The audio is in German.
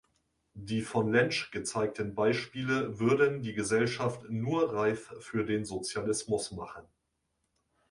Die von Lensch gezeigten Beispiele würden die Gesellschaft nur reif für den Sozialismus machen.